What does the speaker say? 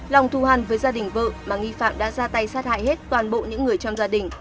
lòng thù hăn với gia đình vợ mà nghi phạm đã ra tay sát hại hết toàn bộ những người trong gia đình